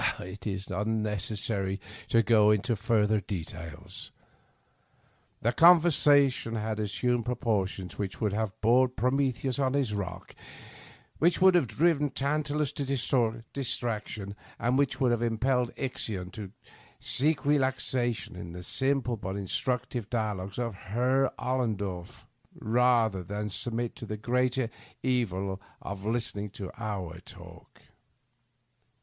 It is unnecessary to go into further details. The conversation had assumed proportions which would have bored Prometheus on his rock, which would have driven Tantalus to distraction, and which would have impelled Ixion to seek relaxation in the simple but instructive dialogues of Eerr Ollendorff, rather than submit to the greater evil of listenmg to our talk.